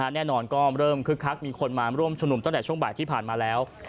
แน่นอนก็เริ่มคึกคักมีคนมาร่วมชุมนุมตั้งแต่ช่วงบ่ายที่ผ่านมาแล้ว